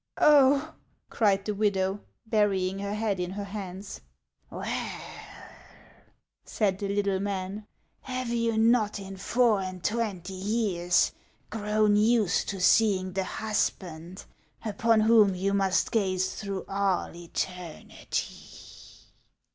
" Oh !" cried the widow, burying her head in her hands. " Well," said the little man, " have you not in four and twenty years grown used to seeing the husband upon whom you must gaze through all eternity